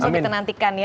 besok ditenantikan ya